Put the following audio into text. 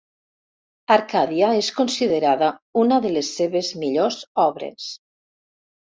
Arcàdia és considerada una de les seves millors obres.